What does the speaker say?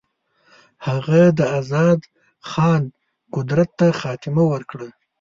هغه د آزاد خان قدرت ته خاتمه ورکړه.